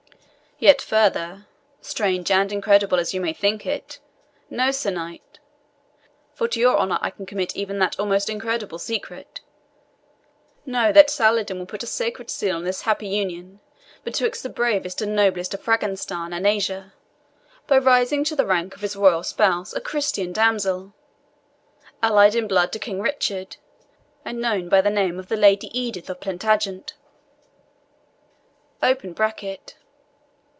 Yet further, strange and incredible as you may think it, know, Sir Knight for to your honour I can commit even that almost incredible secret know that Saladin will put a sacred seal on this happy union betwixt the bravest and noblest of Frangistan and Asia, by raising to the rank of his royal spouse a Christian damsel, allied in blood to King Richard, and known by the name of the Lady Edith of Plantagenet."